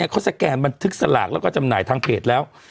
เขาสแกนบันทึกสลากแล้วก็จำหน่ายทางเพจแล้ว